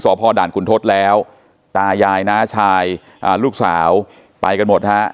พ่อด่านคุณทศแล้วตายายน้าชายอ่าลูกสาวไปกันหมดฮะ